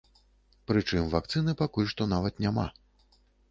Прычым вакцыны пакуль што нават няма!